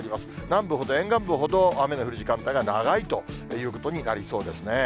南部ほど、沿岸部ほど、雨の降る時間帯が長いということになりそうですね。